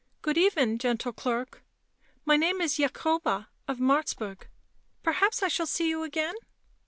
" Good even, gentle clerk. My name is Jacobea of Martzburg. Perhaps I shall see you again."